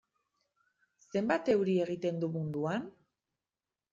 Zenbat euri egiten du munduan?